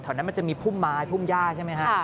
นั้นมันจะมีพุ่มไม้พุ่มย่าใช่ไหมฮะ